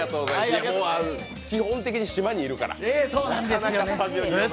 基本的に島にいるからなかなかスタジオに呼べない。